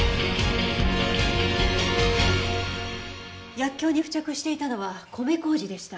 薬莢に付着していたのは米麹でした。